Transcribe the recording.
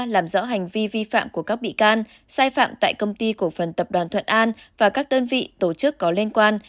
làm rõ hành vi vi phạm của các bị can sai phạm tại công ty cổ phần tập đoàn thuận an và các đơn vị tổ chức có liên quan